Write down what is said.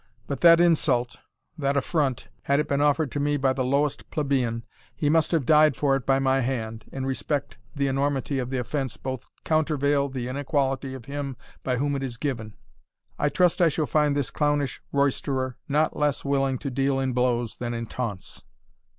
But that insult that affront had it been offered to me by the lowest plebeian, he must have died for it by my hand, in respect the enormity of the offence doth countervail the inequality of him by whom it is given. I trust I shall find this clownish roisterer not less willing to deal in blows than in taunts."